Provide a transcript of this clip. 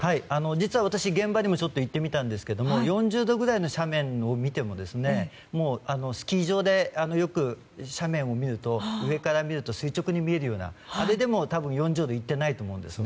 実は私、現場にも行ってみたんですけども４０度くらいの斜面を見てもスキー場でよく斜面を上から見ると垂直に見えるようなあれでも多分４０度いっていないと思うんです。